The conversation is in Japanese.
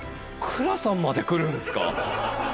蔵さんまで来るんですか？